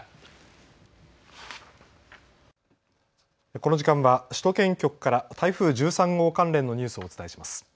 この時間は首都圏局から台風１３号関連のニュースをお伝えします。